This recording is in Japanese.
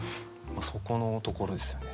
そこのところですよね。